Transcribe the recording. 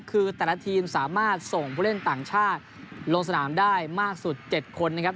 คือแต่ละทีมสามารถส่งผู้เล่นต่างชาติลงสนามได้มากสุด๗คนนะครับ